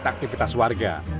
nah ini juga menghambat